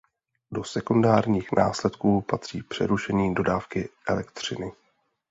Do sekundárních následků patří přerušení dodávky elektřiny.